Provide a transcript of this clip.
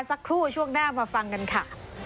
สักครู่ช่วงหน้ามาฟังกันค่ะ